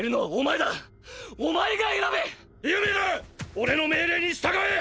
俺の命令に従え！！